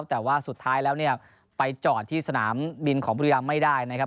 แต่ว่าสุดท้ายแล้วเนี่ยไปจอดที่สนามบินของบุรีรำไม่ได้นะครับ